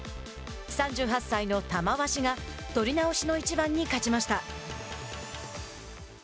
３８歳の玉鷲が取り直しの一番に勝ちました。